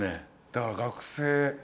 だから学生。